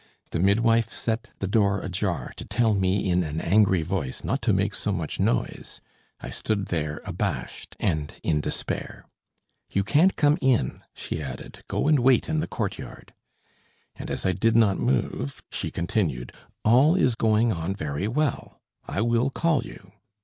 The midwife set the door ajar, to tell me in an angry voice not to make so much noise. I stood there abashed and in despair. "You can't come in," she added. "Go and wait in the courtyard." And as I did not move, she continued: "All is going on very well. I will call you."